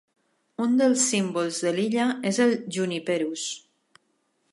Un dels símbols de l'illa és el "juniperus".